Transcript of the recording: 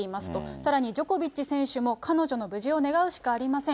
さらにジョコビッチ選手も彼女の無事を願うしかありません。